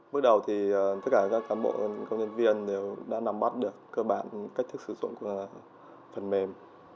bước đầu thì tất cả các cán bộ công nhân viên đều đã nắm bắt được cơ bản cách thức sử dụng phần mềm